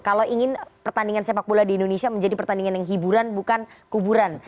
kalau ingin pertandingan sepak bola di indonesia menjadi pertandingan yang hiburan bukan kuburan